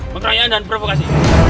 pengkrayaan dan provokasi